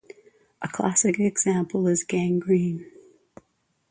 A classic example is gangrene.